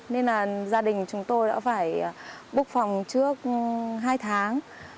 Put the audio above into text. nên là gia đình chúng tôi đã phải búc phòng trước hai tháng